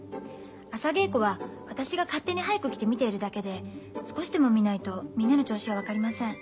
朝稽古は私が勝手に早く来て見ているだけで少しでも見ないとみんなの調子は分かりません。